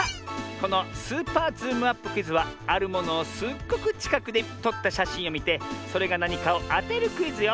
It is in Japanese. この「スーパーズームアップクイズ」はあるものをすっごくちかくでとったしゃしんをみてそれがなにかをあてるクイズよ。